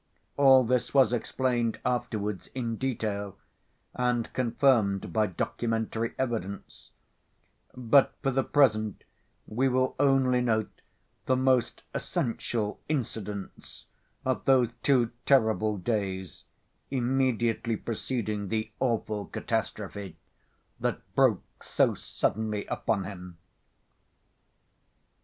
All this was explained afterwards in detail, and confirmed by documentary evidence; but for the present we will only note the most essential incidents of those two terrible days immediately preceding the awful catastrophe, that broke so suddenly upon him.